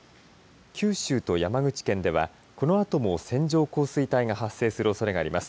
九州と山口県では、このあとも線状降水帯が発生するおそれがあります。